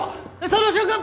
その瞬間